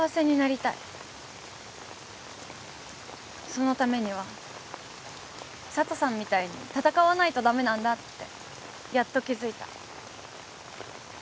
そのためには佐都さんみたいに闘わないと駄目なんだってやっと気付いた。